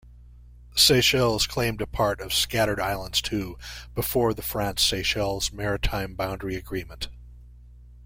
Seychelles claimed a part of Scattered Islands too before the France-Seychelles Maritime Boundary Agreement.